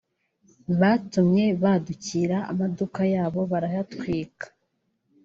byatumye badukira amaduka yabo barayatwika